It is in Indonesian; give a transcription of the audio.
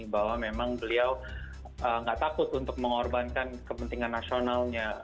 bahwa memang beliau nggak takut untuk mengorbankan kepentingan nasionalnya